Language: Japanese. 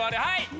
はい！